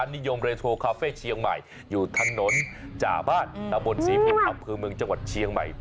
มันนิยมเรทูลคาเฟ่เชียงใหม่อยู่ถนนจาบ้านนับบนสีเพียงขับพื้นเมืองจังหวัดเชียงใหม่